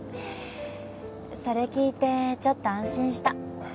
それ聞いてちょっと安心した。